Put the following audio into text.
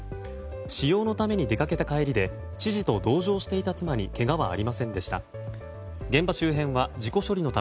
私用のために出かけた帰りで知事と同乗していた妻にけがはありませんでした。